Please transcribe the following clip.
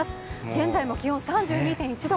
現在も気温３２．１度。